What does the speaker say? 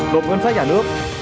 cộng ngân sách nhà nước